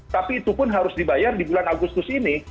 tapi itu pun harus dibayar di bulan agustus ini